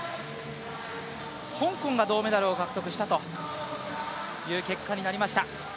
香港が銅メダルを獲得したという結果になりました。